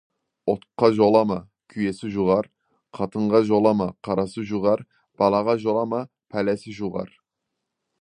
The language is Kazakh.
Отқа жолама, күйесі жұғар, қатынға жолама, қарасы жұғар, балаға жолама, пәлесі жұғар.